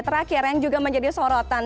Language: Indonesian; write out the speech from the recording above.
terakhir yang juga menjadi sorotan